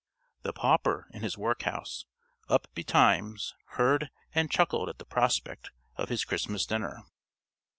The Pauper in his workhouse, up betimes, heard, and chuckled at the prospect of his Christmas dinner....